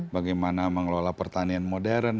bagaimana mengelola pertanian modern